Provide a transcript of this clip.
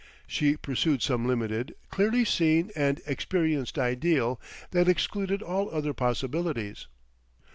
She pursued some limited, clearly seen and experienced ideal—that excluded all other possibilities.